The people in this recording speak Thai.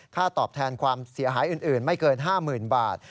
ตอบแทนความเสียหายอื่นไม่เกิน๕๐๐๐บาท